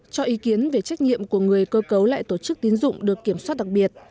cho ý kiến về trách nhiệm của người cơ cấu lại tổ chức tín dụng được kiểm soát đặc biệt